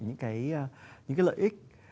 những cái lợi ích